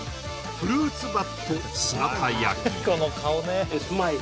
フルーツバット姿焼き